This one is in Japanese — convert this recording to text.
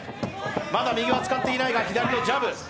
まだ右は使っていないが左のジャブ。